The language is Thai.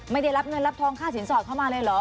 ไม่ได้รับเงินรับทองค่าสินสอดเข้ามาเลยเหรอ